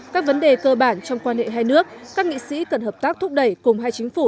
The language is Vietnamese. các vấn đề cơ bản trong quan hệ hai nước các nghị sĩ cần hợp tác thúc đẩy cùng hai chính phủ